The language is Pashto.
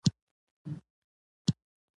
سوله ټولنې ته خوشحالي او پرمختګ راولي.